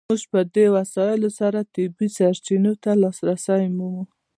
موږ په دې وسایلو سره طبیعي سرچینو ته لاسرسی مومو.